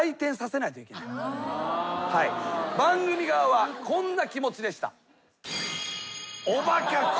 番組側はこんな気持ちでした。